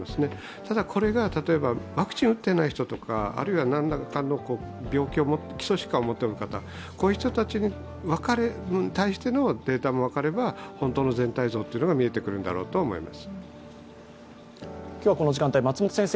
ただこれが、例えばワクチンを打っていない人とか、あるいは何らかの基礎疾患を持っている方、こういう人たちに対してのデータも分かれば、本当の全体像が見えてくるんだろうと思います。